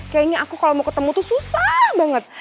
kayaknya aku kalau mau ketemu tuh susah banget